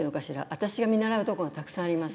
私が見習うところがたくさんあります。